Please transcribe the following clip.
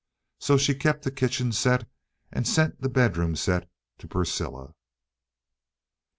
So she kept the kitchen set and sent the bedroom set to Priscilla.